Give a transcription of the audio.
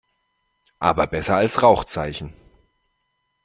Aber besser als Rauchzeichen.